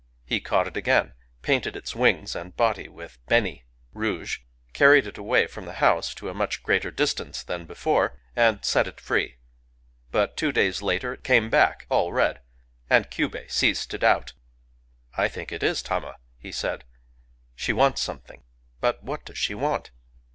He caught it again, painted its wings and body with beni (rouge), carried it away from the house to a much greater distance than before, and set it free. But, two days later, it came back, all red ; and Kyubei ceased to doubt. I think it is Tama," he said. "She wants something; — but what does she want?"